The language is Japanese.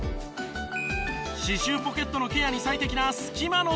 歯周ポケットのケアに最適な隙間ノズル。